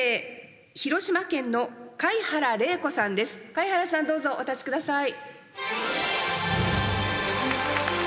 貝原さんどうぞお立ち下さい。